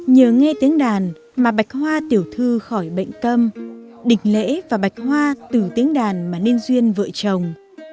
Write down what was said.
nhớ nghe tiếng đàn mà bạch hoa tiểu thư khỏi bệnh câm đình lễ và bạch hoa từ tiếng đàn mà nên duyên vợ chồng